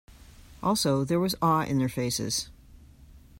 Also, there was awe in their faces.